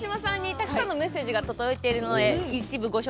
たくさんのメッセージが届いています。